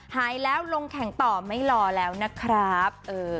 หายแล้วลงแข่งต่อไม่รอแล้วนะครับ